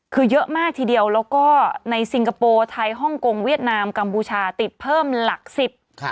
คือเยอะมากทีเดียวแล้วก็ในซิงคโปร์ไทยฮ่องกงเวียดนามกัมพูชาติดเพิ่มหลักสิบ